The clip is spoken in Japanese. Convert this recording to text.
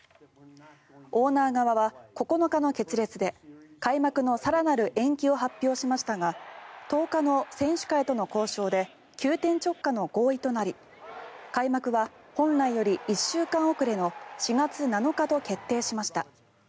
オーナー側は９日の決裂で開幕の更なる延期を発表しましたが１０日の選手会との交渉で急転直下の合意となり開幕は、本来より１週間遅れの４月７日と決定しました。